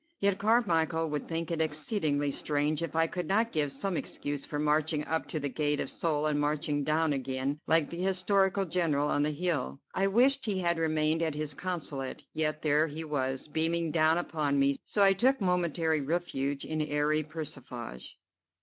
Yet Carmichel would think it exceedingly strange if I could not give some excuse for marching up to the gate of Seoul and marching down again, like the historical general on the hill. I wished he had remained at his Consulate, yet there he was, beaming down upon me, so I took momentary refuge in airy persiflage.